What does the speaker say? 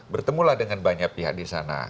bertemulah dengan banyak pihak disana